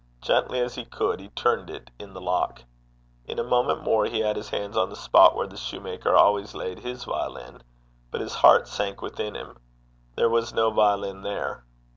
Gently as he could he turned it in the lock. In a moment more he had his hands on the spot where the shoemaker always laid his violin. But his heart sank within him: there was no violin there.